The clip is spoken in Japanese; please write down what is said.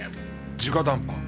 直談判？